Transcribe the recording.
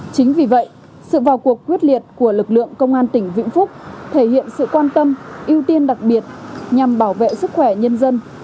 chính vì vậy sự vào cuộc quyết liệt của lực lượng công an tỉnh vĩnh phúc thể hiện sự quan tâm ưu tiên đặc biệt nhằm bảo vệ sức khỏe nhân dân